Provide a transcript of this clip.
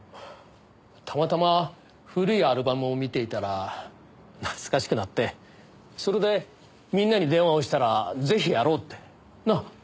たまたま古いアルバムを見ていたら懐かしくなってそれでみんなに電話をしたらぜひやろうって。なあ？